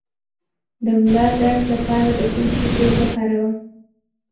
د ملا درد لپاره د کوم شي تېل وکاروم؟